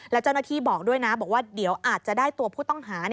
แล้วเจ้าหน้าที่บอกด้วยนะบอกว่าเดี๋ยวอาจจะได้ตัวผู้ต้องหา